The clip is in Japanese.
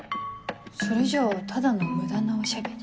それじゃあただの無駄なおしゃべり。